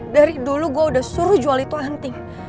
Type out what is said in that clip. dari dulu gue udah suruh jual itu henti